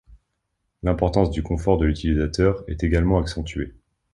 L’importance du confort de l’utilisateur est également accentuée.